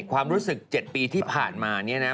ความรู้สึก๗ปีที่ผ่านมาเนี่ยนะ